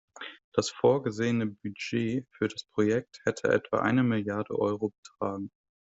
Das vorgesehene Budget für das Projekt hätte etwa eine Milliarde Euro betragen.